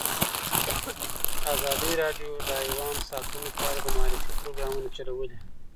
ازادي راډیو د حیوان ساتنه په اړه د معارفې پروګرامونه چلولي.